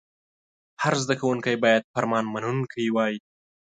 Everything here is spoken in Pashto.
هر زده کوونکی باید فرمان منونکی وای.